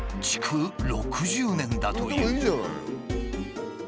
築６０年だという。